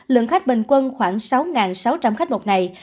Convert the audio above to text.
lượng khách bình quân khoảng sáu sáu trăm linh khách một ngày